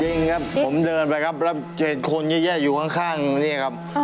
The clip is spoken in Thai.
จริงครับผมเดินไปครับแล้วเจอคนเยอะแยะอยู่ข้างนี่ครับ